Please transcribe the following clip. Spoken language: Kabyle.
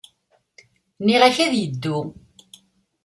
Nniɣ-ak ad yeddu.